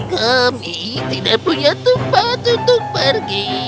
kami tidak punya tempat untuk pergi